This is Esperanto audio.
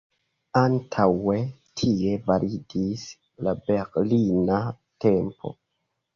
Antaŭe tie validis la Berlina tempo.